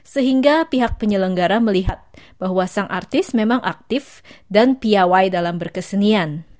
sehingga pihak penyelenggara melihat bahwa sang artis memang aktif dan piawai dalam berkesenian